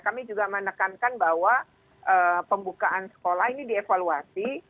kami juga menekankan bahwa pembukaan sekolah ini dievaluasi